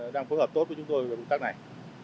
đang phối hợp tốt với chúng tôi về công tác này